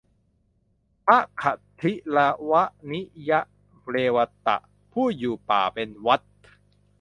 พระขทิรวนิยเรวตะ ผู้อยู่ป่าเป็นวัตร